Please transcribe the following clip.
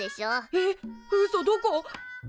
えっうそどこ？